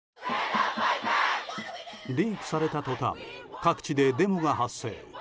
リークされた途端各地でデモが発生。